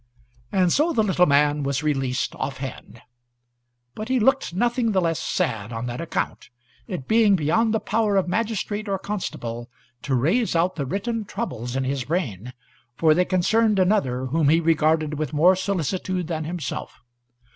And so the little man was released offhand; but he looked nothing the less sad on that account, it being beyond the power of magistrate or constable to rase out the written troubles in his brain, for they concerned another, whom he regarded with more solicitude than himself.